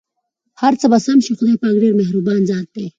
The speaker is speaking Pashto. هرڅه به سم شې٬ خدای پاک ډېر مهربان ذات دی.